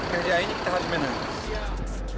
kerjain kita harus menang